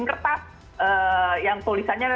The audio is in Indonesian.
kertas yang tulisannya